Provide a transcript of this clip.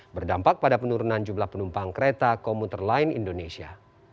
berdampak pada penurunan jumlah penumpang kereta komuter lain indonesia